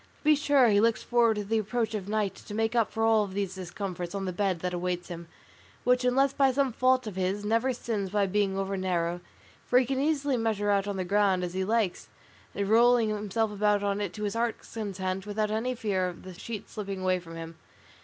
To be sure he looks forward to the approach of night to make up for all these discomforts on the bed that awaits him, which, unless by some fault of his, never sins by being over narrow, for he can easily measure out on the ground as he likes, and roll himself about in it to his heart's content without any fear of the sheets slipping away from him.